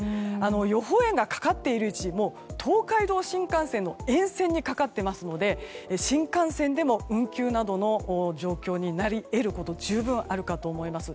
予報円がかかっているうち東海道新幹線の沿線にかかっていますので新幹線でも運休などの状況になり得ることが十分あるかと思います。